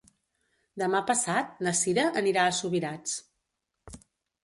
Demà passat na Cira anirà a Subirats.